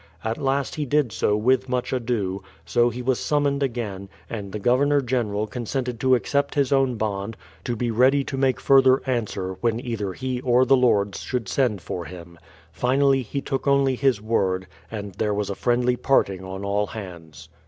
At last he did so with much ado ; so he was summoned again, and the Governor General con sented to accept his own bond, to be ready to make further answer, when either he or the Lords should send for him. Finally, he took only his word, and there was a friendly parting on all hands.